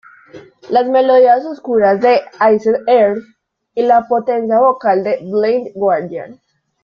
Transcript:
Las melodías oscuras de Iced Earth y la potencia vocal de Blind Guardian.